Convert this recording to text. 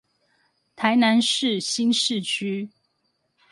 台南市新市區